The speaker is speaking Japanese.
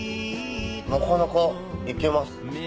なかなかいけます。